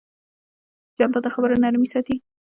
جانداد د خبرو نرمي ساتي.